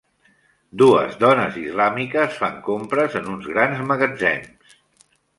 Dues dones islàmiques fan compres en uns grans magatzems.